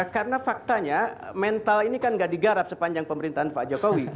karena faktanya mental ini kan nggak digarap sepanjang pemerintahan pak jokowi